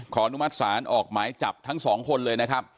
อนุมัติศาลออกหมายจับทั้งสองคนเลยนะครับ